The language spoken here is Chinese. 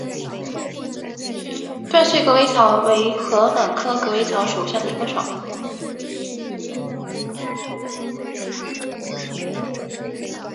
断穗狗尾草为禾本科狗尾草属下的一个种。